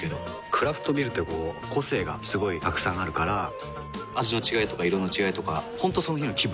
クラフトビールってこう個性がすごいたくさんあるから味の違いとか色の違いとか本当その日の気分。